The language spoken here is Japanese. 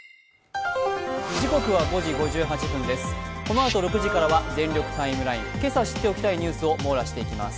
このあと６時からは「全力ＴＩＭＥライン」、けさ知っておきたいニュースを網羅していきます。